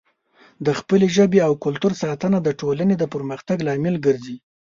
د خپلې ژبې او کلتور ساتنه د ټولنې د پرمختګ لامل ګرځي.